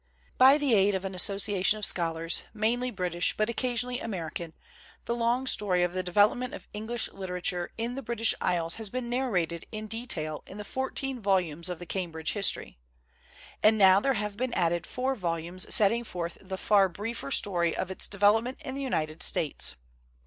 By the aid of an association of scholars, mainly British but occasionally American, the long story of the development of English litera ture in the British Isles has been narrated in de tail in the fourteen volumes of the Cambridge History; and now there have been added four volumes setting forth the far briefer story of its development in the United States.